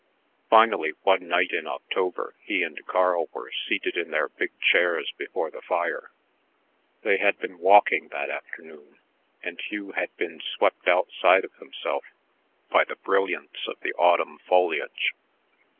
Finally one night in October he and Carl were seated in their big chairs before the fire. They had been walking that afternoon, and Hugh had been swept outside of himself by the brilliance of the autumn foliage.